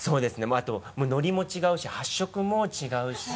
あとのりも違うし発色も違うし。